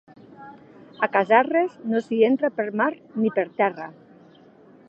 A Casserres no s'hi entra per mar ni per terra.